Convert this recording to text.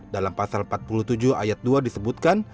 dalam pasal empat puluh tujuh ayat dua disebutkan